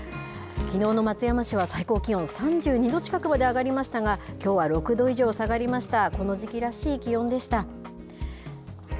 きのうの松山市は最高気温３２度近くまで上がりましたが、きょうは６度以上下がりました。